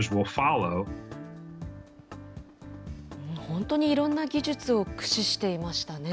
本当にいろんな技術を駆使していましたね。